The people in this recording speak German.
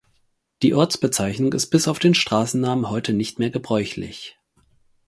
Die Ortsbezeichnung ist bis auf den Straßennamen heute nicht mehr gebräuchlich.